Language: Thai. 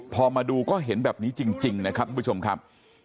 พอมาดูก็เห็นแบบนี้จริงนะครับทุกผู้ชมครับ